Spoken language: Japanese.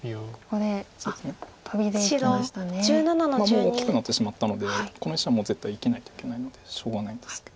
もう大きくなってしまったのでこの石はもう絶対生きないといけないんでしょうがないんですけど。